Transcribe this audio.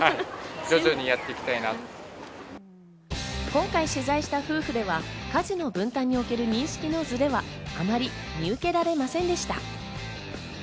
今回取材した夫婦では家事の分担における認識のズレはあまり見受けられませんでした。